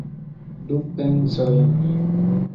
Du pencojn.